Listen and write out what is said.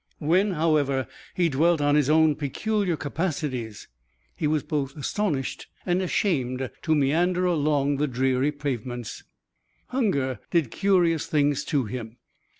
When, however, he dwelt on his own peculiar capacities, he was both astonished and ashamed to meander along the dreary pavements. Hunger did curious things to him.